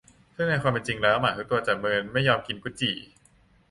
ซึ่งในความเป็นจริงแล้วหมาทุกตัวจะเมินไม่ยอมกินกุดจี่